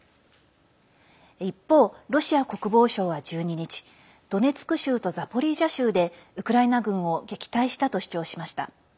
一方、ロシア国防省は１２日ドネツク州とザポリージャ州でウクライナ軍を撃退したと主張しました。